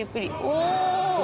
お！